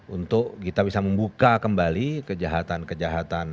untuk kita bisa membuka kembali kejahatan kejahatan